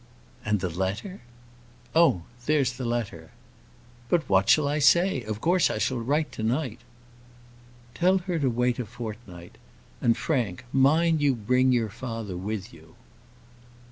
"And the letter?" "Oh! there's the letter." "But what shall I say? Of course I shall write to night." "Tell her to wait a fortnight. And, Frank, mind you bring your father with you."